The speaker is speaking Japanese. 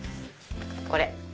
これ！